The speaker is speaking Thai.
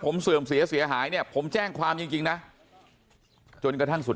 ผมเสื่อมเสียเสียหายเนี่ยผมแจ้งความจริงนะจนกระทั่งสุด